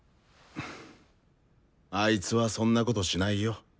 あいつはそんなことしないよ。